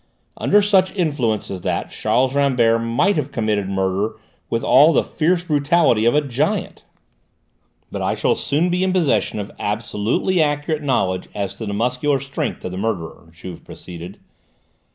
Under such influence as that Charles Rambert might have committed murder with all the fierce brutality of a giant! "But I shall soon be in possession of absolutely accurate knowledge as to the muscular strength of the murderer," Juve proceeded.